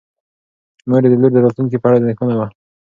مور یې د لور د راتلونکي په اړه اندېښمنه وه.